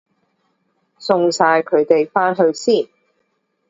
送晒佢哋返去先